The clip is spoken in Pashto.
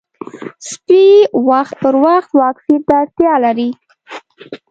سپي وخت پر وخت واکسین ته اړتیا لري.